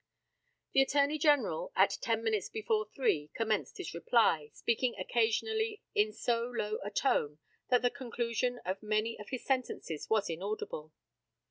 The Attorney General, at ten minutes before three, commenced his reply, speaking occasionally in so low a tone that the conclusion of many of his sentences was inaudible.